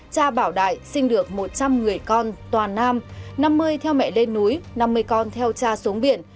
cha bảo đại sinh được một trăm linh người con toàn nam năm mươi theo mẹ lên núi năm mươi con theo cha xuống biển